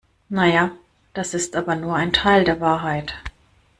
Naja, das ist aber nur ein Teil der Wahrheit.